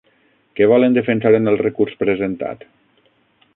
Què volen defensar en el recurs presentat?